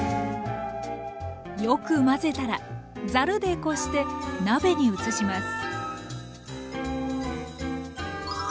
よく混ぜたらざるでこして鍋に移します。